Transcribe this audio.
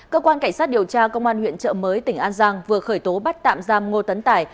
cơ quan cảnh sát điều tra công an huyện trợ mới tỉnh an giang vừa khởi tố bắt tạm giam ngô tấn tài